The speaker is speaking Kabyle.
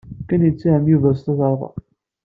Ken yetthem Yuba s tukerḍa.